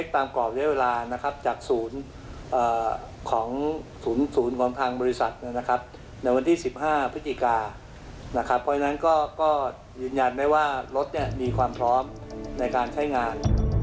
เพราะฉะนั้นก็ยืนยันได้ว่ารถมีความพร้อมในการใช้งาน